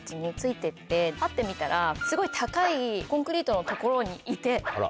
ぱって見たらすごい高いコンクリートの所にいて。